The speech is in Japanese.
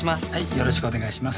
よろしくお願いします。